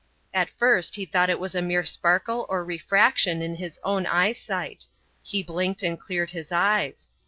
At first he thought it was a mere sparkle or refraction in his own eyesight; he blinked and cleared his eyes.